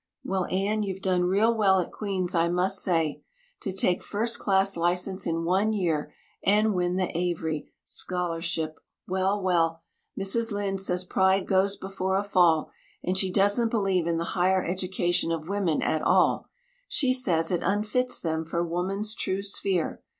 Well, Anne, you've done real well at Queen's I must say. To take First Class License in one year and win the Avery scholarship well, well, Mrs. Lynde says pride goes before a fall and she doesn't believe in the higher education of women at all; she says it unfits them for woman's true sphere.